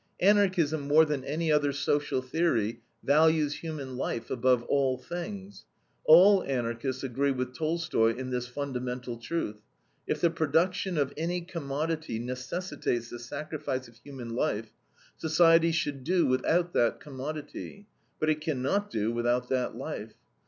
Anarchism, more than any other social theory, values human life above things. All Anarchists agree with Tolstoy in this fundamental truth: if the production of any commodity necessitates the sacrifice of human life, society should do without that commodity, but it can not do without that life.